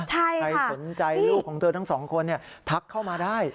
ใครสนใจลูกของเธอทั้งสองคนทักเข้ามาได้